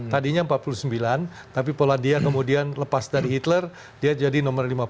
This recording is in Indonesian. tadinya empat puluh sembilan tapi pola dia kemudian lepas dari hitler dia jadi nomor lima puluh